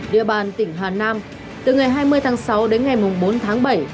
địa bàn tỉnh hà nam từ ngày hai mươi tháng sáu đến ngày bốn tháng bảy